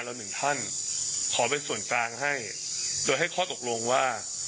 นี่นี่นี่นี่นี่นี่นี่นี่นี่